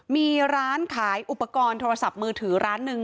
มีร้านขายอุปกรณ์โทรศัพท์มือถือร้านหนึ่ง